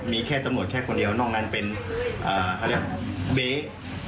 มีแค่ตรงบทแค่คนเดียวนอกนั้นเป็นเบ๊ก